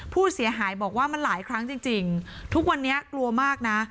ผู้เสียหายบอกว่ามันหลายครั้งจริงทุกวันนี้กลัวมากนะ